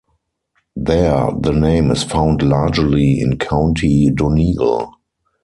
There the name is found largely in County Donegal.